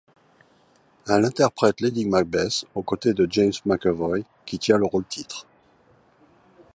Elle interprète Lady Macbeth au côté de James McAvoy qui tient le rôle-titre.